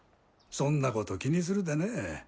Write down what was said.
そんなこと気にするでね。